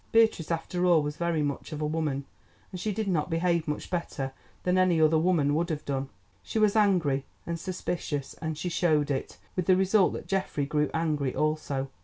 Beatrice after all was very much of a woman, and she did not behave much better than any other woman would have done. She was angry and suspicious, and she showed it, with the result that Geoffrey grew angry also.